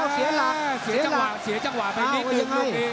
อ๋อเสียหลักเสียจังหวะไปนิดหนึ่ง